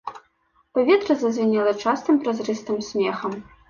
Паветра зазвінела частым празрыстым смехам.